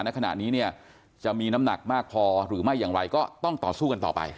ณขณะนี้เนี่ยจะมีน้ำหนักมากพอหรือไม่อย่างไรก็ต้องต่อสู้กันต่อไป